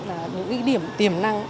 những điểm tiềm năng